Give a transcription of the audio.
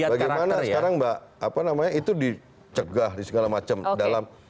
bagaimana sekarang itu dicegah di segala macam